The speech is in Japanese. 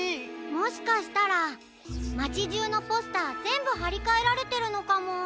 もしかしたらまちじゅうのポスターぜんぶはりかえられてるのかも。